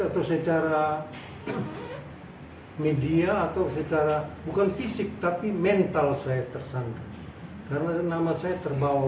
atau secara media atau secara bukan fisik tapi mental saya tersangka karena nama saya terbawa